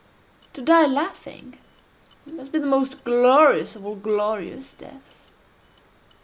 To die laughing, must be the most glorious of all glorious deaths!